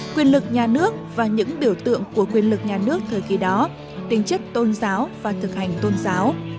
quyền lực nhà nước và những biểu tượng của quyền lực nhà nước thời kỳ đó tính chất tôn giáo và thực hành tôn giáo